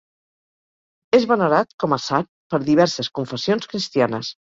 És venerat com a sant per diverses confessions cristianes.